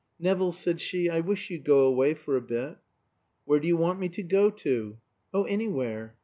"Nevill," said she, "I wish you'd go away for a bit." "Where do you want me to go to?" "Oh, anywhere."